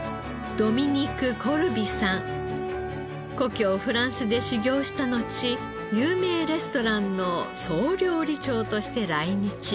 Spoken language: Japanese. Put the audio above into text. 故郷フランスで修業したのち有名レストランの総料理長として来日。